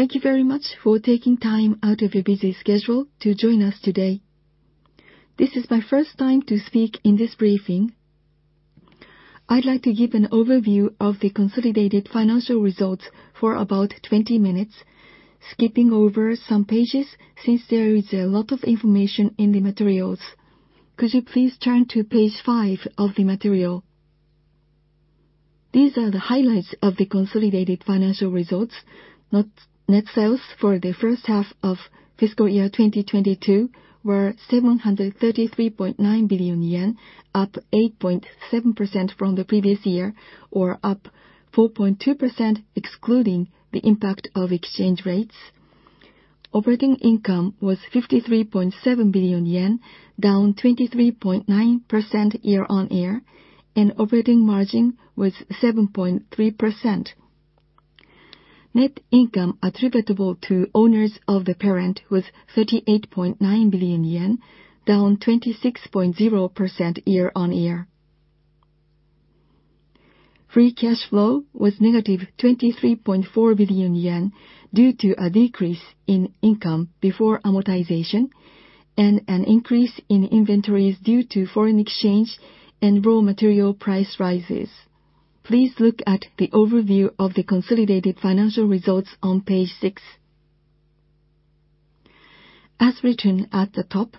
Thank you very much for taking time out of your busy schedule to join us today. This is my first time to speak in this briefing. I'd like to give an overview of the consolidated financial results for about 20 minutes, skipping over some pages since there is a lot of information in the materials. Could you please turn to page five of the material? These are the highlights of the consolidated financial results. Net sales for the first half of fiscal year 2022 were 733.9 billion yen, up 8.7% from the previous year or up 4.2% excluding the impact of exchange rates. Operating income was 53.7 billion yen, down 23.9% year-on-year, and operating margin was 7.3%. Net income attributable to owners of the parent was 38.9 billion yen, down 26.0% year-on-year. Free cash flow was -23.4 billion yen due to a decrease in income before amortization and an increase in inventories due to foreign exchange and raw material price rises. Please look at the overview of the consolidated financial results on page six. As written at the top,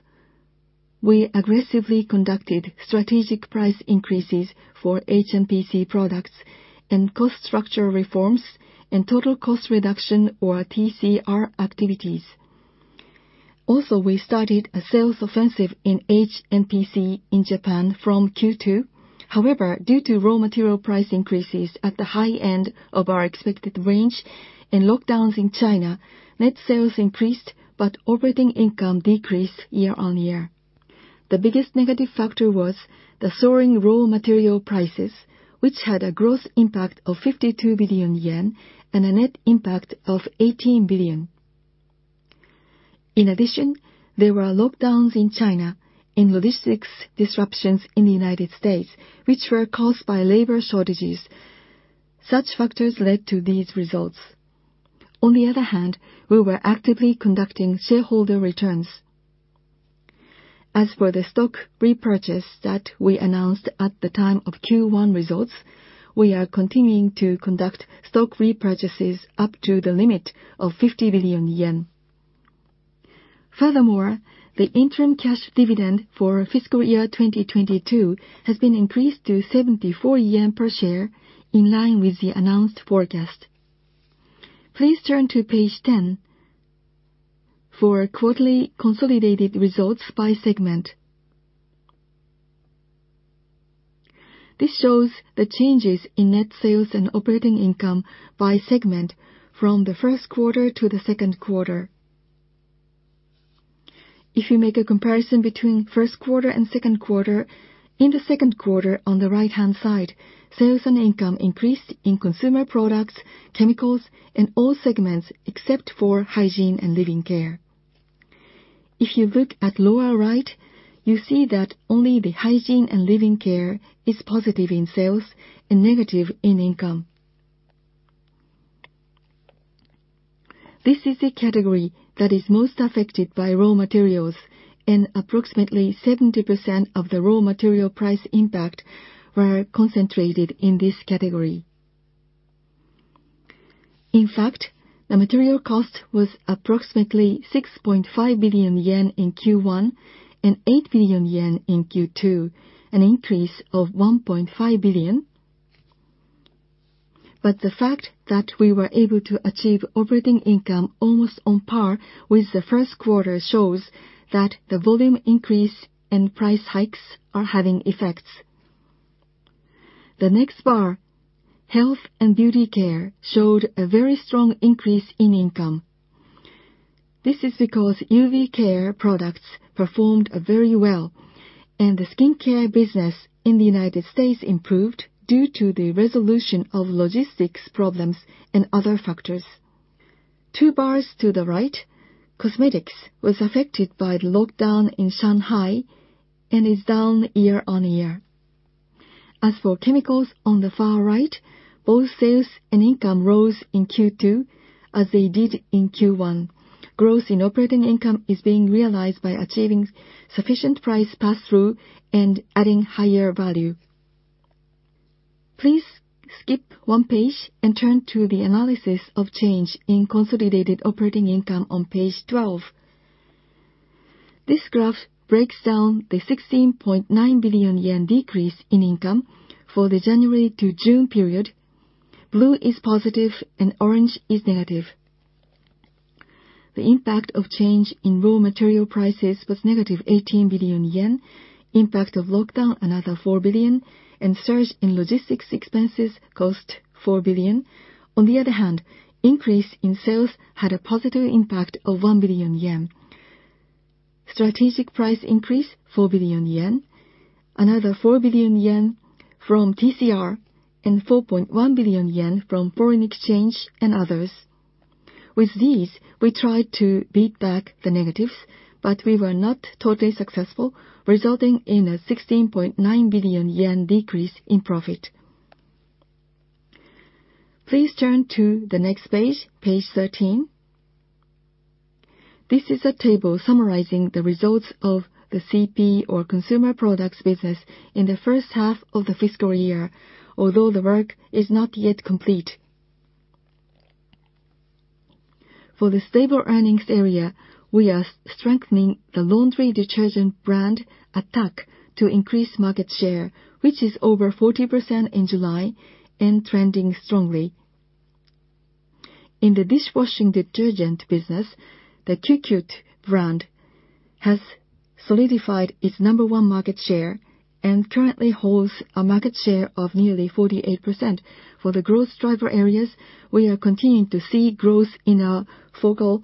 we aggressively conducted strategic price increases for HMPC products and cost structure reforms and total cost reduction, or TCR activities. Also, we started a sales offensive in HMPC in Japan from Q2. However, due to raw material price increases at the high end of our expected range and lockdowns in China, net sales increased but operating income decreased year-on-year. The biggest negative factor was the soaring raw material prices, which had a gross impact of 52 billion yen and a net impact of 18 billion. In addition, there were lockdowns in China and logistics disruptions in the United States, which were caused by labor shortages. Such factors led to these results. On the other hand, we were actively conducting shareholder returns. As for the stock repurchase that we announced at the time of Q1 results, we are continuing to conduct stock repurchases up to the limit of 50 billion yen. Furthermore, the interim cash dividend for fiscal year 2022 has been increased to 74 yen per share in line with the announced forecast. Please turn to page 10 for quarterly consolidated results by segment. This shows the changes in net sales and operating income by segment from the first quarter to the second quarter. If you make a comparison between first quarter and second quarter, in the second quarter, on the right-hand side, sales and income increased in consumer products, chemicals, and all segments except for Hygiene and Living Care. If you look at lower right, you see that only the Hygiene and Living Care is positive in sales and negative in income. This is the category that is most affected by raw materials, and approximately 70% of the raw material price impact were concentrated in this category. In fact, the material cost was approximately 6.5 billion yen in Q1 and 8 billion yen in Q2, an increase of 1.5 billion. The fact that we were able to achieve operating income almost on par with the first quarter shows that the volume increase and price hikes are having effects. The next bar, Health and Beauty Care, showed a very strong increase in income. This is because UV care products performed very well and the skincare business in the United States improved due to the resolution of logistics problems and other factors. Two bars to the right, cosmetics was affected by the lockdown in Shanghai and is down year-on-year. As for chemicals on the far right, both sales and income rose in Q2 as they did in Q1. Growth in operating income is being realized by achieving sufficient price pass-through and adding higher value. Please skip one page and turn to the analysis of change in consolidated operating income on page 12. This graph breaks down the 16.9 billion yen decrease in income for the January-June period. Blue is positive and orange is negative. The impact of change in raw material prices was -18 billion yen, impact of lockdown another 4 billion, and surge in logistics expenses cost 4 billion. On the other hand, increase in sales had a positive impact of 1 billion yen. Strategic price increase, 4 billion yen. Another 4 billion yen from TCR and 4.1 billion yen from foreign exchange and others. With these, we tried to beat back the negatives, but we were not totally successful, resulting in a 16.9 billion yen decrease in profit. Please turn to the next page 13. This is a table summarizing the results of the CP, or Consumer Products business, in the first half of the fiscal year, although the work is not yet complete. For the stable earnings area, we are strengthening the laundry detergent brand, Attack, to increase market share, which is over 40% in July and trending strongly. In the dishwashing detergent business, the CuCute brand has solidified its number one market share and currently holds a market share of nearly 48%. For the growth driver areas, we are continuing to see growth in our focal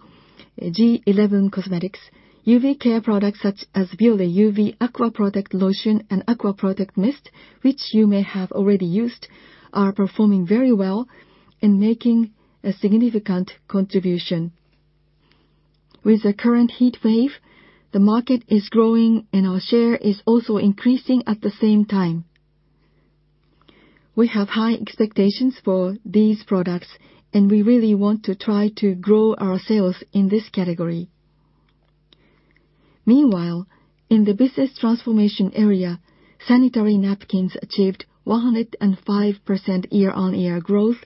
G11 cosmetics. UV care products such as Bioré UV Aqua Rich Watery Essence and Bioré UV Aqua Rich Aqua Protect Mist, which you may have already used, are performing very well and making a significant contribution. With the current heat wave, the market is growing and our share is also increasing at the same time. We have high expectations for these products, and we really want to try to grow our sales in this category. Meanwhile, in the business transformation area, sanitary napkins achieved 105% year-on-year growth,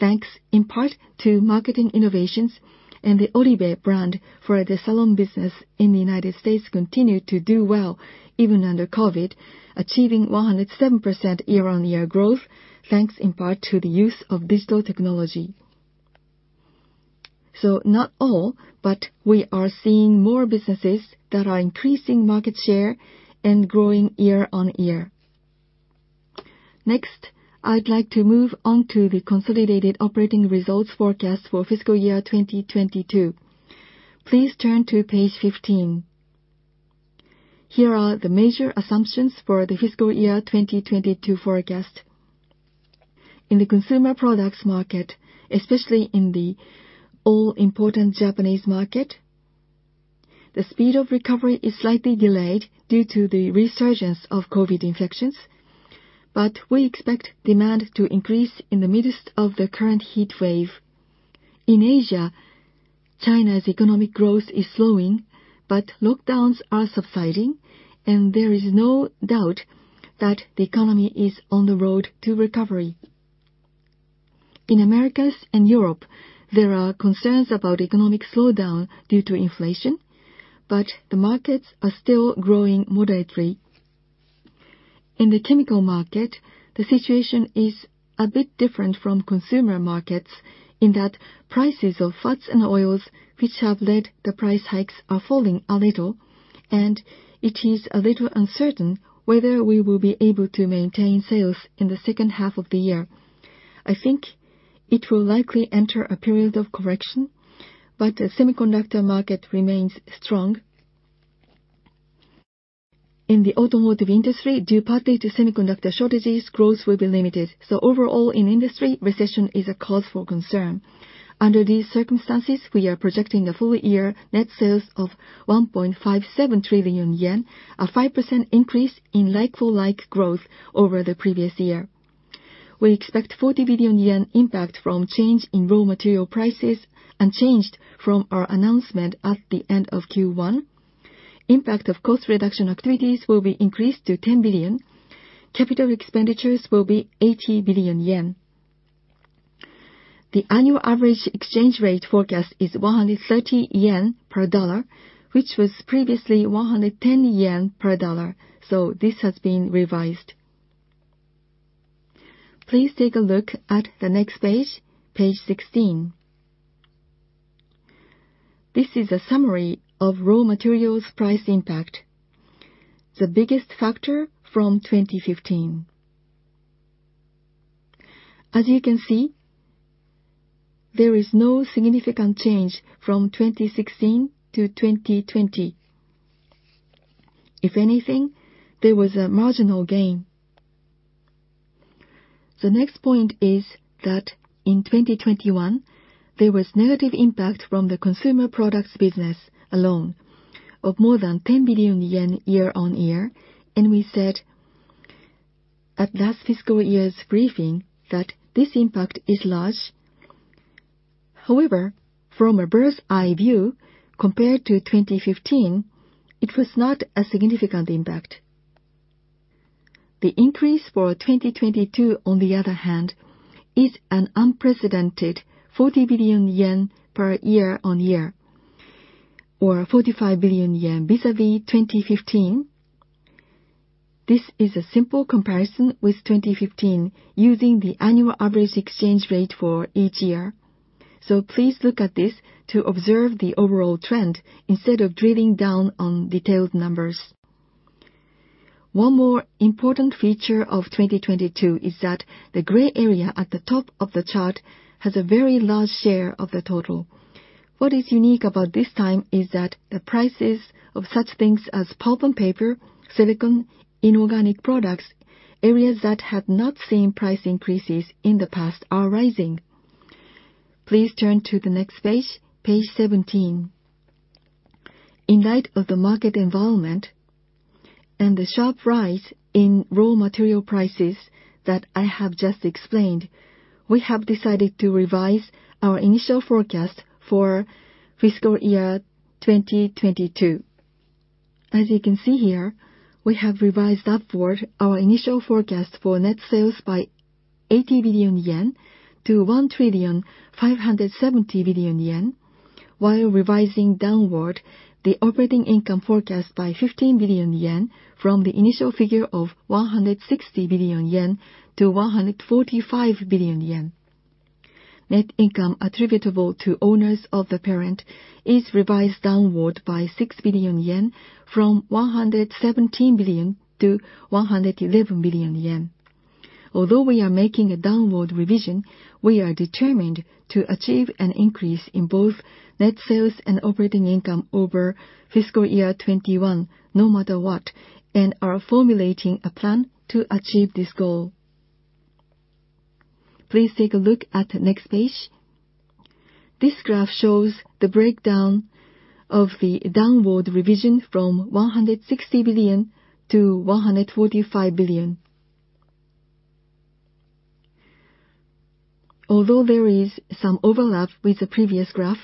thanks in part to marketing innovations, and the Oribe brand for the salon business in the United States continued to do well even under COVID, achieving 107% year-on-year growth, thanks in part to the use of digital technology. Not all, but we are seeing more businesses that are increasing market share and growing year on year. Next, I'd like to move on to the consolidated operating results forecast for fiscal year 2022. Please turn to page 15. Here are the major assumptions for the fiscal year 2022 forecast. In the consumer products market, especially in the all-important Japanese market, the speed of recovery is slightly delayed due to the resurgence of COVID infections. We expect demand to increase in the midst of the current heat wave. In Asia, China's economic growth is slowing, but lockdowns are subsiding, and there is no doubt that the economy is on the road to recovery. In Americas and Europe, there are concerns about economic slowdown due to inflation, but the markets are still growing moderately. In the chemical market, the situation is a bit different from consumer markets in that prices of fats and oils, which have led the price hikes, are falling a little, and it is a little uncertain whether we will be able to maintain sales in the second half of the year. I think it will likely enter a period of correction, but the semiconductor market remains strong. In the automotive industry, due partly to semiconductor shortages, growth will be limited. Overall in industry, recession is a cause for concern. Under these circumstances, we are projecting a full year net sales of 1.57 trillion yen, a 5% increase in like-for-like growth over the previous year. We expect 40 billion yen impact from change in raw material prices, unchanged from our announcement at the end of Q1. Impact of cost reduction activities will be increased to 10 billion. Capital expenditures will be 80 billion yen. The annual average exchange rate forecast is 130 yen per dollar, which was previously 110 yen per dollar. This has been revised. Please take a look at the next page 16. This is a summary of raw materials price impact, the biggest factor from 2015. As you can see, there is no significant change from 2016 to 2020. If anything, there was a marginal gain. The next point is that in 2021, there was negative impact from the consumer products business alone of more than 10 billion yen year-on-year, and we said at last fiscal year's briefing that this impact is large. However, from a bird's eye view compared to 2015, it was not a significant impact. The increase for 2022, on the other hand, is an unprecedented 40 billion yen per year-on-year or 45 billion yen vis-à-vis 2015. This is a simple comparison with 2015 using the annual average exchange rate for each year. Please look at this to observe the overall trend instead of drilling down on detailed numbers. One more important feature of 2022 is that the gray area at the top of the chart has a very large share of the total. What is unique about this time is that the prices of such things as pulp and paper, silicon, inorganic products, areas that have not seen price increases in the past are rising. Please turn to the next page 17. In light of the market environment and the sharp rise in raw material prices that I have just explained, we have decided to revise our initial forecast for fiscal year 2022. As you can see here, we have revised upward our initial forecast for net sales by 80 billion-1,570 billion yen, while revising downward the operating income forecast by 15 billion yen from the initial figure of 160 billion-145 billion yen. Net income attributable to owners of the parent is revised downward by 6 billion yen from 117 billion-111 billion yen. Although we are making a downward revision, we are determined to achieve an increase in both net sales and operating income over fiscal year 2021 no matter what and are formulating a plan to achieve this goal. Please take a look at the next page. This graph shows the breakdown of the downward revision from 160 billion-145 billion. Although there is some overlap with the previous graph,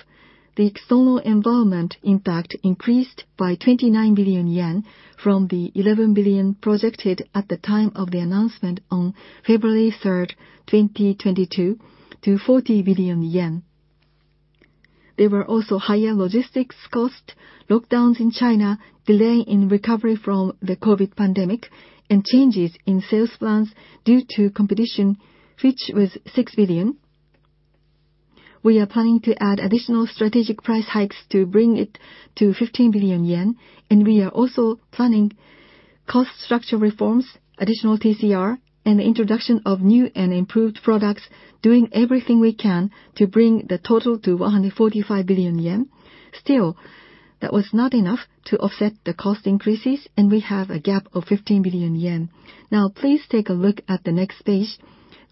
the external environment impact increased by 29 billion yen from the 11 billion projected at the time of the announcement on February 3rd, 2022, to 40 billion yen. There were also higher logistics costs, lockdowns in China, delay in recovery from the COVID pandemic, and changes in sales plans due to competition, which was 6 billion. We are planning to add additional strategic price hikes to bring it to 15 billion yen, and we are also planning cost structure reforms, additional TCR, and the introduction of new and improved products, doing everything we can to bring the total to 145 billion yen. Still, that was not enough to offset the cost increases, and we have a gap of 15 billion yen. Now please take a look at the next page.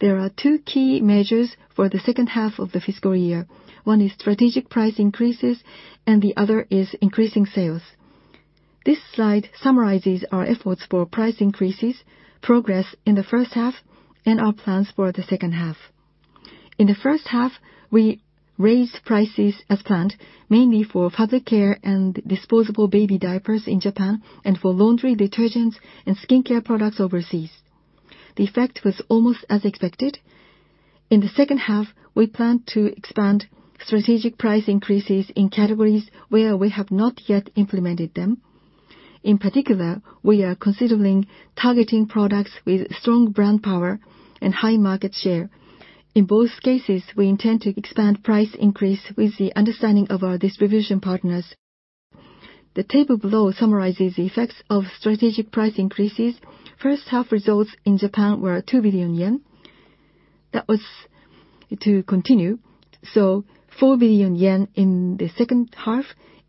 There are two key measures for the second half of the fiscal year. One is strategic price increases, and the other is increasing sales. This slide summarizes our efforts for price increases, progress in the first half, and our plans for the second half. In the first half, we raised prices as planned, mainly for fabric care and disposable baby diapers in Japan, and for laundry detergents and skincare products overseas. The effect was almost as expected. In the second half, we plan to expand strategic price increases in categories where we have not yet implemented them. In particular, we are considering targeting products with strong brand power and high market share. In both cases, we intend to expand price increase with the understanding of our distribution partners. The table below summarizes the effects of strategic price increases. First half results in Japan were 2 billion yen. That was to continue, so 4 billion yen in the second half,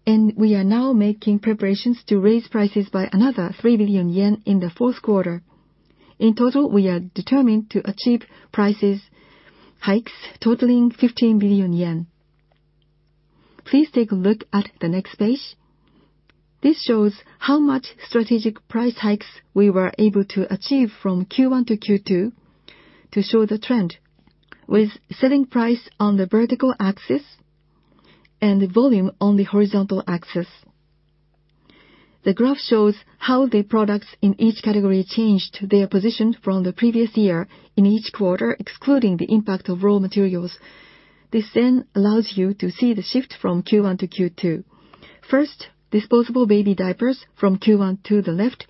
and we are now making preparations to raise prices by another 3 billion yen in the fourth quarter. In total, we are determined to achieve price hikes totaling 15 billion yen. Please take a look at the next page. This shows how much strategic price hikes we were able to achieve from Q1 to Q2 to show the trend, with selling price on the vertical axis and volume on the horizontal axis. The graph shows how the products in each category changed their position from the previous year in each quarter, excluding the impact of raw materials. This then allows you to see the shift from Q1 to Q2. First, disposable baby diapers from Q1 to the left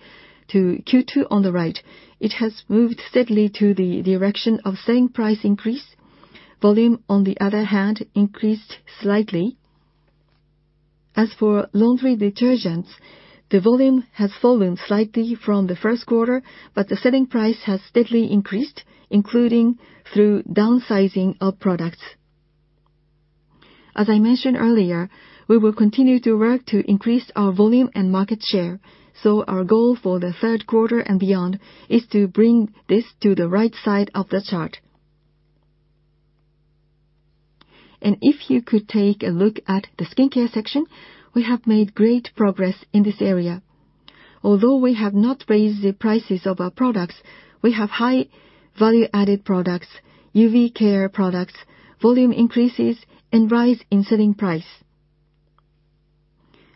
to Q2 on the right. It has moved steadily to the direction of selling price increase. Volume, on the other hand, increased slightly. As for laundry detergents, the volume has fallen slightly from the first quarter, but the selling price has steadily increased, including through downsizing of products. As I mentioned earlier, we will continue to work to increase our volume and market share. Our goal for the third quarter and beyond is to bring this to the right side of the chart. If you could take a look at the skincare section, we have made great progress in this area. Although we have not raised the prices of our products, we have high value-added products, UV care products, volume increases, and rise in selling price.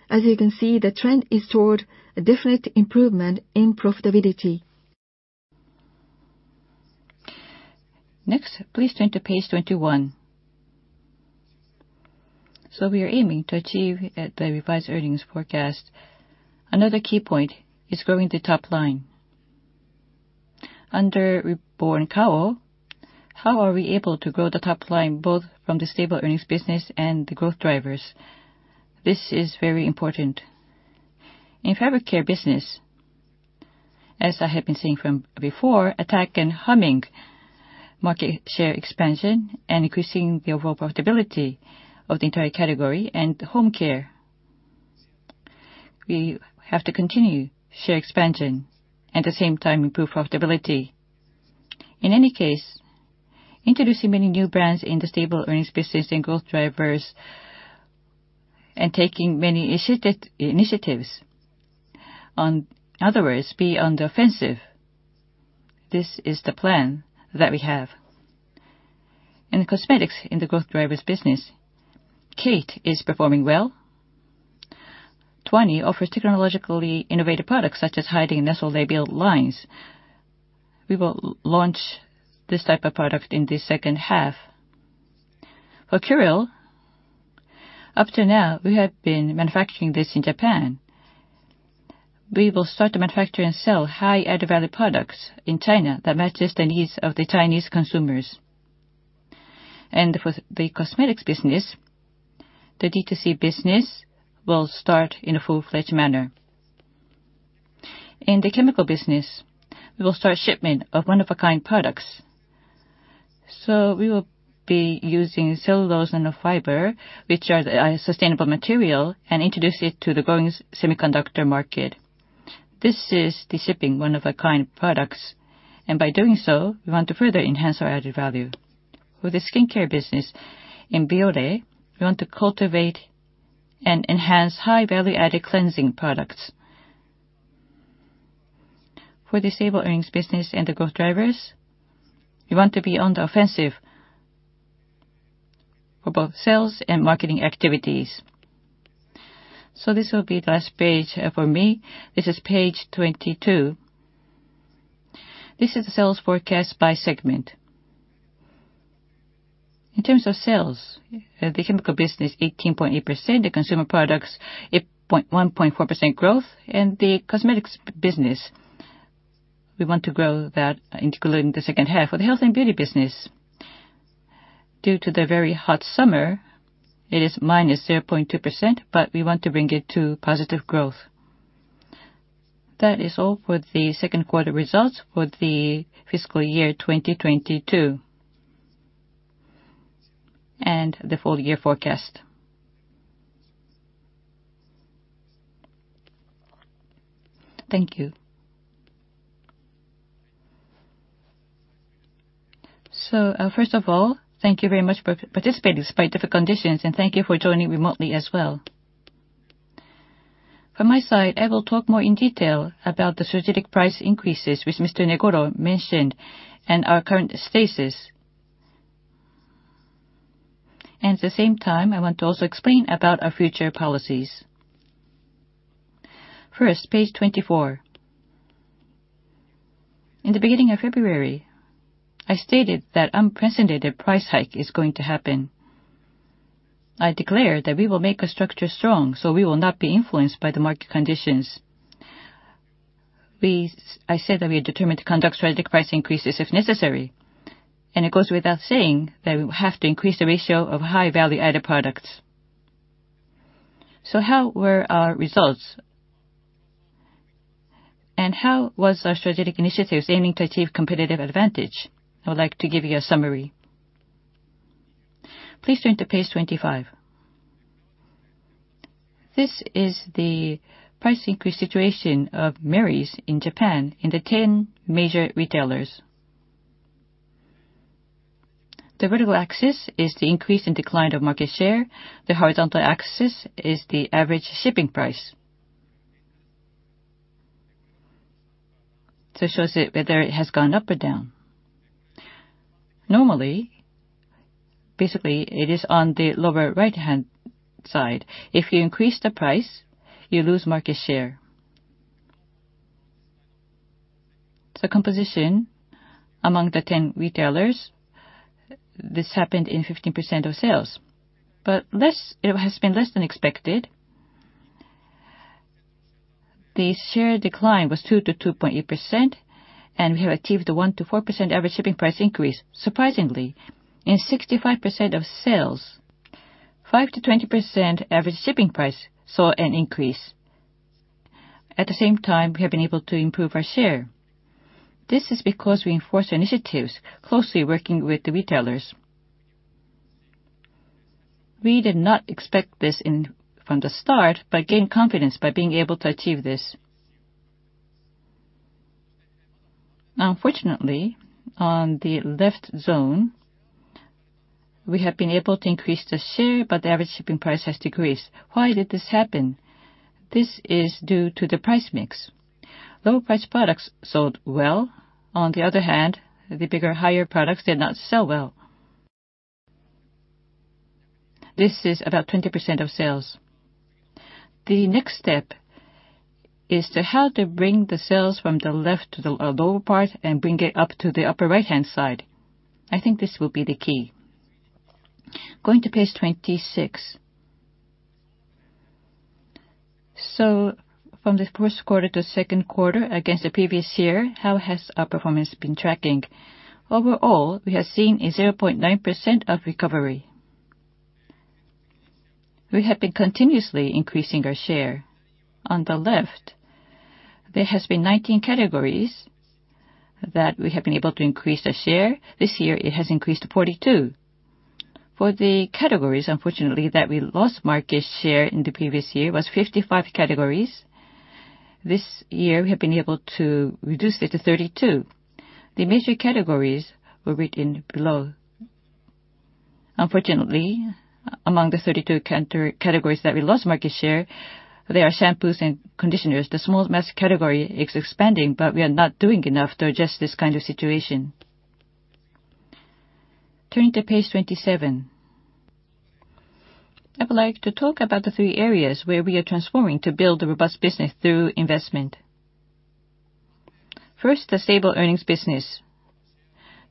As you can see, the trend is toward a definite improvement in profitability. Next, please turn to page 21. We are aiming to achieve the revised earnings forecast. Another key point is growing the top line. Under Reborn Kao, how are we able to grow the top line both from the stable earnings business and the growth drivers? This is very important. In fabric care business, as I have been saying from before, Attack and Humming, market share expansion, and increasing the overall profitability of the entire category and home care. We have to continue share expansion, at the same time, improve profitability. In any case, introducing many new brands in the stable earnings business and growth drivers and taking many initiatives. In other words, be on the offensive. This is the plan that we have. In the cosmetics, in the growth drivers business, KATE is performing well. Twany offers technologically innovative products such as hiding nasolabial lines. We will launch this type of product in the second half. For Curél, up to now, we have been manufacturing this in Japan. We will start to manufacture and sell high added value products in China that matches the needs of the Chinese consumers. For the cosmetics business, the D2C business will start in a full-fledged manner. In the chemical business, we will start shipment of one-of-a-kind products. We will be using cellulose and fiber, which are the sustainable material, and introduce it to the growing semiconductor market. This is the shifting one-of-a-kind products, and by doing so, we want to further enhance our added value. For the skincare business in Bioré, we want to cultivate and enhance high value-added cleansing products. For the stable earnings business and the growth drivers, we want to be on the offensive for both sales and marketing activities. This will be the last page for me. This is page 22. This is the sales forecast by segment. In terms of sales, the chemical business 18.8%, the consumer products 1.4% growth, and the cosmetics business, we want to grow that, including the second half. For the health and beauty business, due to the very hot summer, it is -0.2%, but we want to bring it to positive growth. That is all for the second quarter results for the fiscal year 2022 and the full year forecast. Thank you. First of all, thank you very much for participating despite difficult conditions, and thank you for joining remotely as well. From my side, I will talk more in detail about the strategic price increases which Mr. Negoro mentioned and our current status. At the same time, I want to also explain about our future policies. First, page 24. In the beginning of February, I stated that unprecedented price hike is going to happen. I declared that we will make our structure strong, so we will not be influenced by the market conditions. I said that we are determined to conduct strategic price increases if necessary, and it goes without saying that we have to increase the ratio of high value-added products. How were our results? How was our strategic initiatives aiming to achieve competitive advantage? I would like to give you a summary. Please turn to page 25. This is the price increase situation of Merries in Japan in the 10 major retailers. The vertical axis is the increase and decline of market share. The horizontal axis is the average shipping price. It shows it whether it has gone up or down. Normally, basically, it is on the lower right-hand side. If you increase the price, you lose market share. The composition among the 10 retailers, this happened in 15% of sales. Less, it has been less than expected. The share decline was 2%-2.8%, and we have achieved the 1%-4% average shipping price increase. Surprisingly, in 65% of sales, 5%-20% average selling price saw an increase. At the same time, we have been able to improve our share. This is because we intensify initiatives closely working with the retailers. We did not expect this right from the start, but gained confidence by being able to achieve this. Now, unfortunately, on the left zone, we have been able to increase the share, but the average selling price has decreased. Why did this happen? This is due to the price mix. Lower price products sold well. On the other hand, the bigger, higher-priced products did not sell well. This is about 20% of sales. The next step is how to bring the sales from the left to the lower part and bring it up to the upper right-hand side. I think this will be the key. Going to page 26. From the first quarter to second quarter against the previous year, how has our performance been tracking? Overall, we have seen a 0.9% recovery. We have been continuously increasing our share. On the left, there has been 19 categories that we have been able to increase the share. This year it has increased to 42. For the categories, unfortunately, that we lost market share in the previous year was 55 categories. This year, we have been able to reduce it to 32. The major categories were written below. Unfortunately, among the 32 categories that we lost market share, there are shampoos and conditioners. The small mass category is expanding, but we are not doing enough to adjust this kind of situation. Turning to page 27. I would like to talk about the three areas where we are transforming to build a robust business through investment. First, the stable earnings business.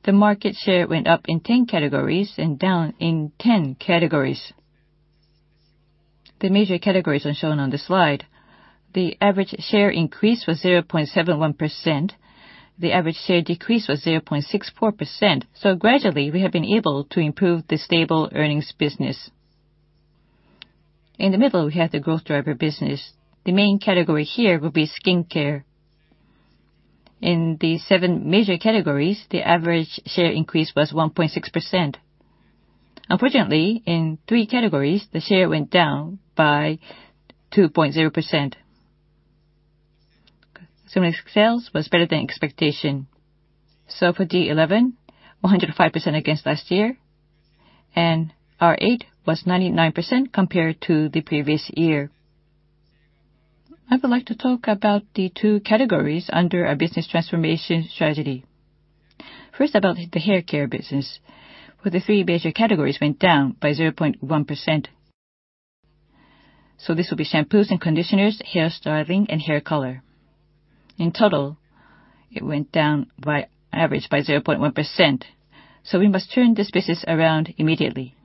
The market share went up in 10 categories and down in 10 categories. The major categories are shown on the slide. The average share increase was 0.71%. The average share decrease was 0.64%. Gradually, we have been able to improve the stable earnings business. In the middle, we have the growth driver business. The main category here will be skincare. In the seven major categories, the average share increase was 1.6%. Unfortunately, in three categories, the share went down by 2.0%. Similar sales was better than expectation. For D11, 100% against last year, and R8 was 99% compared to the previous year. I would like to talk about the two categories under our business transformation strategy. First, about the haircare business. For the three major categories went down by 0.1%. This will be shampoos and conditioners, hair styling and hair color. In total, it went down by average by 0.1%, so we must turn this business around immediately.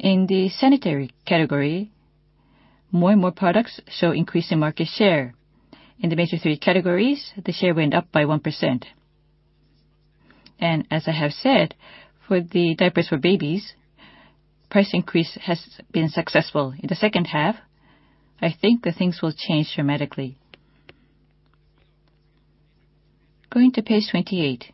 In the sanitary category, more and more products show increase in market share. In the major three categories, the share went up by 1%. As I have said, for the diapers for babies, price increase has been successful. In the second half, I think that things will change dramatically. Going to page 28.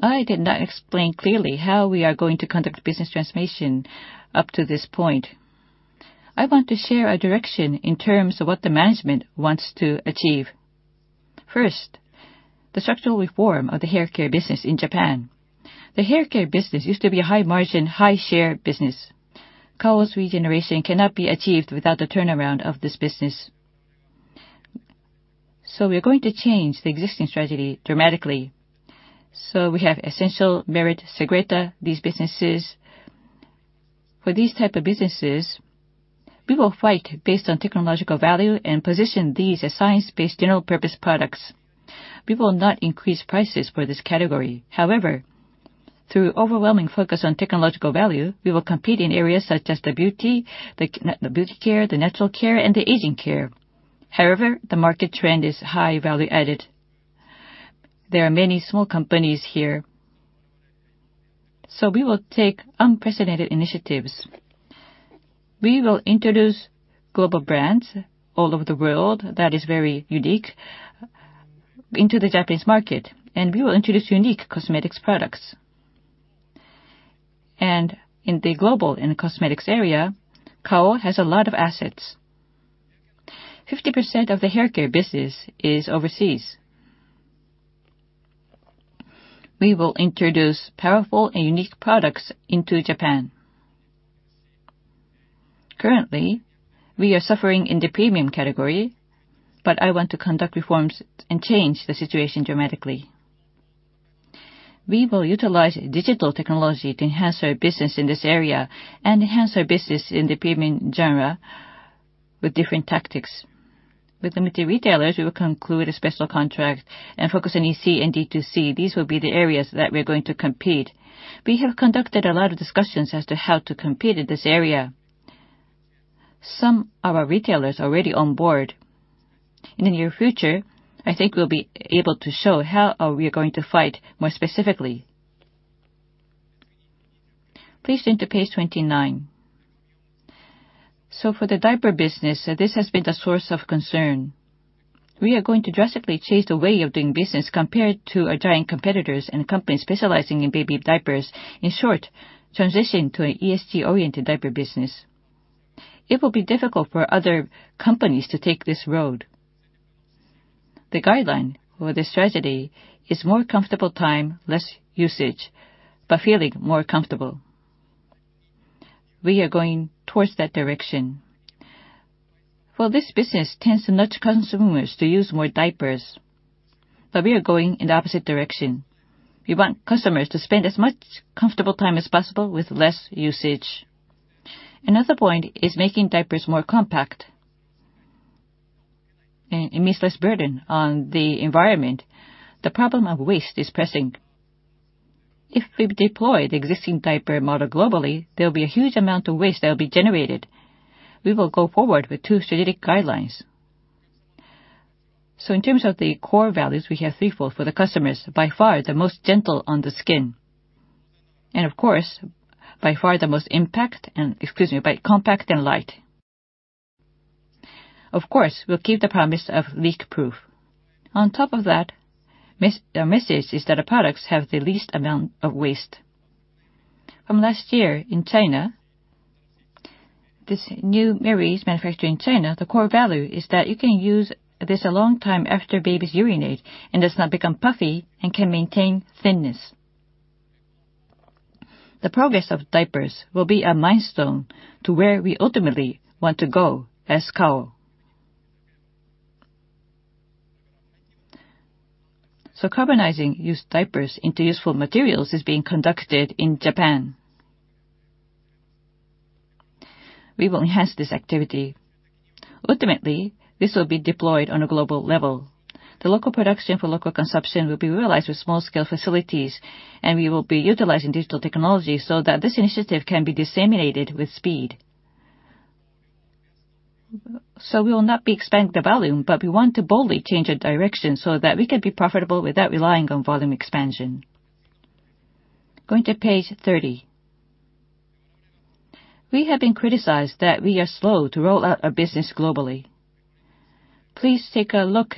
I did not explain clearly how we are going to conduct business transformation up to this point. I want to share a direction in terms of what the management wants to achieve. First, the structural reform of the haircare business in Japan. The haircare business used to be a high margin, high share business. Kao's regeneration cannot be achieved without the turnaround of this business. We are going to change the existing strategy dramatically. We have Essential, Merit, Segreta, these businesses. For these type of businesses, we will fight based on technological value and position these as science-based general purpose products. We will not increase prices for this category. However, through overwhelming focus on technological value, we will compete in areas such as the beauty, the beauty care, the natural care, and the aging care. However, the market trend is high value added. There are many small companies here. We will take unprecedented initiatives. We will introduce global brands all over the world that is very unique into the Japanese market, and we will introduce unique cosmetics products. In the global, in the cosmetics area, Kao has a lot of assets. 50% of the haircare business is overseas. We will introduce powerful and unique products into Japan. Currently, we are suffering in the premium category, but I want to conduct reforms and change the situation dramatically. We will utilize digital technology to enhance our business in this area and enhance our business in the premium genre with different tactics. With limited retailers, we will conclude a special contract and focus on EC and D2C. These will be the areas that we are going to compete. We have conducted a lot of discussions as to how to compete in this area. Some of our retailers are already on board. In the near future, I think we'll be able to show how we are going to fight more specifically. Please turn to page 29. For the diaper business, this has been the source of concern. We are going to drastically change the way of doing business compared to our giant competitors and companies specializing in baby diapers. In short, transition to an ESG-oriented diaper business. It will be difficult for other companies to take this road. The guideline for the strategy is more comfortable time, less usage, but feeling more comfortable. We are going towards that direction. Well, this business tends to nudge consumers to use more diapers, but we are going in the opposite direction. We want customers to spend as much comfortable time as possible with less usage. Another point is making diapers more compact and it means less burden on the environment. The problem of waste is pressing. If we deploy the existing diaper model globally, there will be a huge amount of waste that will be generated. We will go forward with two strategic guidelines. In terms of the core values, we have threefold for the customers, by far the most gentle on the skin. Of course, compact and light. Of course, we'll keep the promise of leak-proof. On top of that, the message is that our products have the least amount of waste. From last year in China, this new Merries manufactured in China, the core value is that you can use this a long time after babies urinate, and does not become puffy and can maintain thinness. The progress of diapers will be a milestone to where we ultimately want to go as Kao. Carbonizing used diapers into useful materials is being conducted in Japan. We will enhance this activity. Ultimately, this will be deployed on a global level. The local production for local consumption will be realized with small scale facilities, and we will be utilizing digital technology so that this initiative can be disseminated with speed. We will not be expanding the volume, but we want to boldly change the direction so that we can be profitable without relying on volume expansion. Going to page 30. We have been criticized that we are slow to roll out our business globally. Please take a look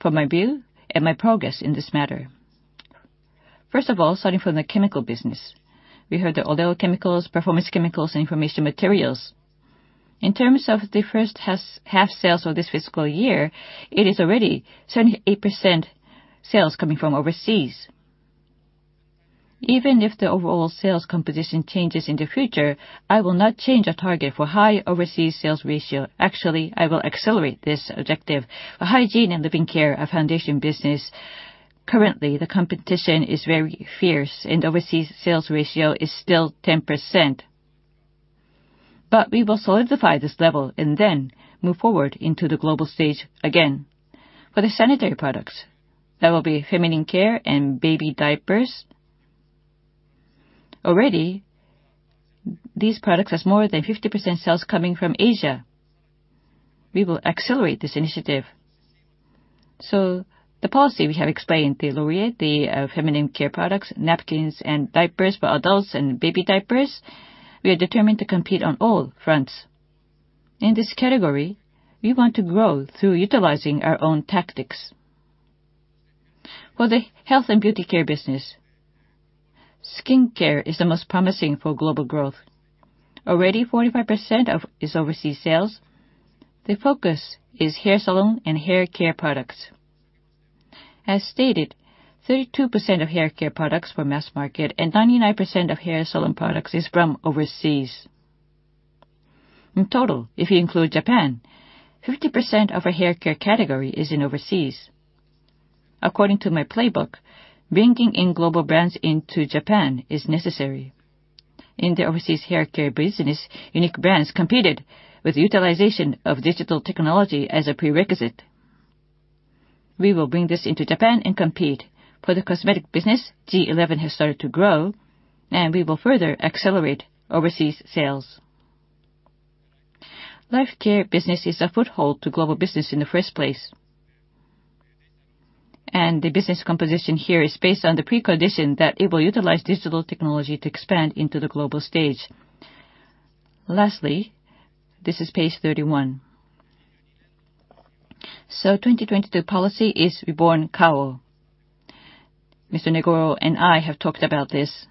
for my view and my progress in this matter. First of all, starting from the chemical business. We heard that although chemicals, performance chemicals, and information materials, in terms of the first half sales of this fiscal year, it is already 78% sales coming from overseas. Even if the overall sales composition changes in the future, I will not change a target for high overseas sales ratio. Actually, I will accelerate this objective. For Hygiene and Living Care, our foundation business, currently the competition is very fierce and overseas sales ratio is still 10%. We will solidify this level and then move forward into the global stage again. For the sanitary products, that will be feminine care and baby diapers. Already, these products has more than 50% sales coming from Asia. We will accelerate this initiative. The policy we have explained, the Laurier, the feminine care products, napkins and diapers for adults and baby diapers, we are determined to compete on all fronts. In this category, we want to grow through utilizing our own tactics. For the Health and Beauty Care business, skin care is the most promising for global growth. Already, 45% of it is overseas sales. The focus is hair salon and hair care products. As stated, 32% of hair care products were mass market, and 99% of hair salon products is from overseas. In total, if you include Japan, 50% of our hair care category is in overseas. According to my playbook, bringing in global brands into Japan is necessary. In the overseas hair care business, unique brands competed with utilization of digital technology as a prerequisite. We will bring this into Japan and compete. For the cosmetic business, G11 has started to grow, and we will further accelerate overseas sales. Living Care business is a foothold to global business in the first place. The business composition here is based on the precondition that it will utilize digital technology to expand into the global stage. Lastly, this is page 31. 2022 policy is Reborn Kao. Mr. Negoro and I have talked about this.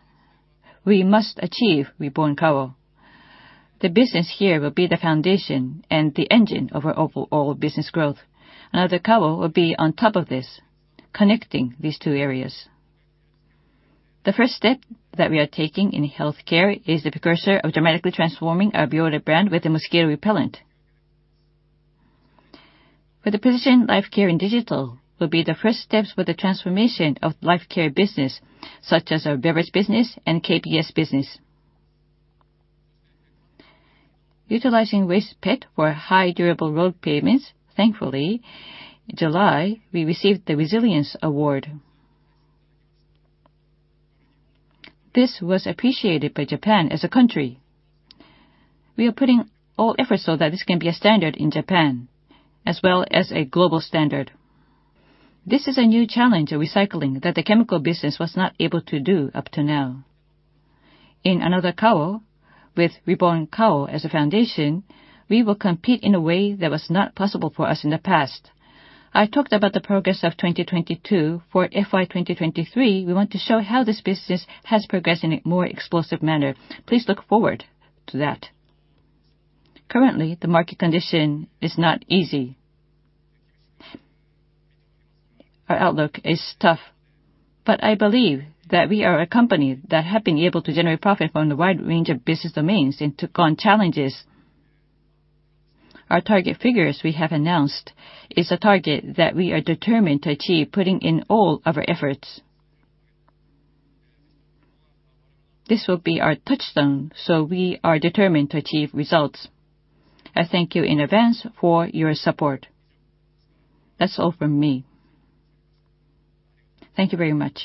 We must achieve Reborn Kao. The business here will be the foundation and the engine of our overall business growth. Another Kao will be on top of this, connecting these two areas. The first step that we are taking in health care is the precursor of dramatically transforming our Bioré brand with a mosquito repellent. For the position, life care and digital will be the first steps for the transformation of life care business, such as our beverage business and KBS business. Utilizing waste PET for highly durable road pavements, thankfully, in July, we received the Japan Resilience Award. This was appreciated by Japan as a country. We are putting all efforts so that this can be a standard in Japan, as well as a global standard. This is a new challenge of recycling that the chemical business was not able to do up to now. In Another Kao, with Reborn Kao as a foundation, we will compete in a way that was not possible for us in the past. I talked about the progress of 2022. For FY 2023, we want to show how this business has progressed in a more explosive manner. Please look forward to that. Currently, the market condition is not easy. Our outlook is tough, but I believe that we are a company that have been able to generate profit from the wide range of business domains and took on challenges. Our target figures we have announced is a target that we are determined to achieve, putting in all of our efforts. This will be our touchstone, so we are determined to achieve results. I thank you in advance for your support. That's all from me. Thank you very much.